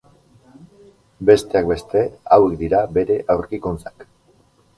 Besteak beste, hauek dira bere aurkikuntzak.